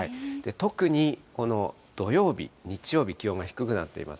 特にこの土曜日、日曜日、気温が低くなっています。